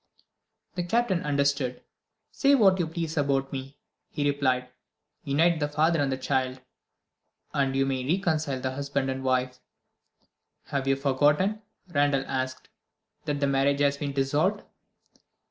The Captain understood. "Say what you please about me," he replied. "Unite the father and child and you may reconcile the husband and wife." "Have you forgotten," Randal asked, "that the marriage has been dissolved?"